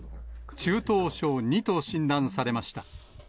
中等症２と診断されました。